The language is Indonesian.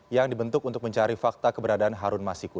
yang dibentuk untuk mencari fakta keberadaan harun masiku